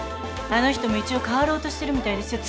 あの人も一応変わろうとしてるみたいですよ。